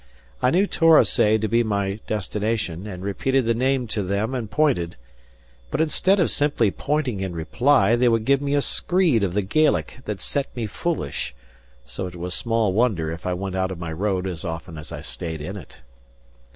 I knew Torosay to be my destination, and repeated the name to them and pointed; but instead of simply pointing in reply, they would give me a screed of the Gaelic that set me foolish; so it was small wonder if I went out of my road as often as I stayed in it.